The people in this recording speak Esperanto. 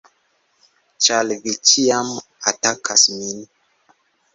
Ĉar vi ĉiam atakas min!